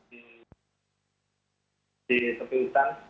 kita datang ke lokasi